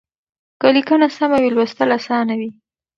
که ليکنه سمه وي لوستل اسانه وي.